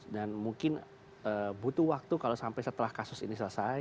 dan mungkin butuh waktu kalau sampai setelah kasus ini selesai